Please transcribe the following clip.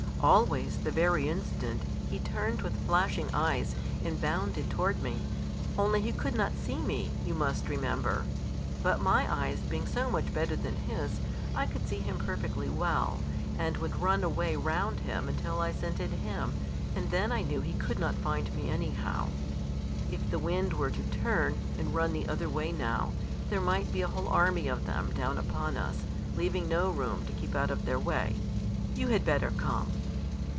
"Always, the very instant, he turned with flashing eyes, and bounded toward me only he could not see me, you must remember. But my eyes being so much better than his, I could see him perfectly well, and would run away round him until I scented him, and then I knew he could not find me anyhow. If the wind were to turn, and run the other way now, there might be a whole army of them down upon us, leaving no room to keep out of their way. You had better come."